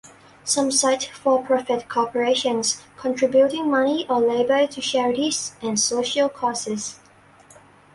Some cite for-profit corporations contributing money or labor to charities and social causes.